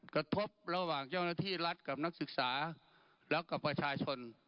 กระทบระหว่างเจ้าหน้าที่รัฐกับนักศึกษาแล้วกับประชาชน